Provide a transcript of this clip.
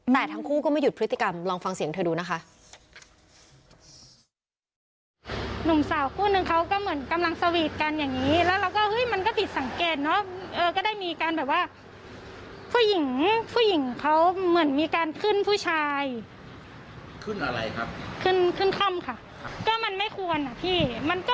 แต่ทั้งคู่ก็ไม่หยุดพฤติกรรมลองฟังเสียงเธอดูนะคะ